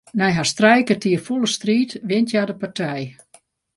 Nei hast trije kertier fûle striid wint hja de partij.